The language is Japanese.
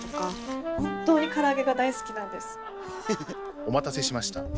お待たせしました。